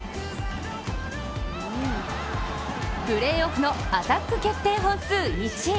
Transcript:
更にプレーオフのアタック決定本数１位。